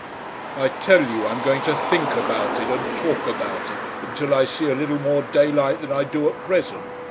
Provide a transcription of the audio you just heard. I tell you I'm going to think about it and talk about it until I see a little more daylight than I do at present.